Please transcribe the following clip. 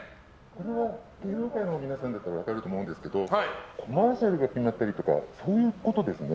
芸能界の皆さんだと分かると思うんですけどコマーシャルが決まったりとかそういうことですね。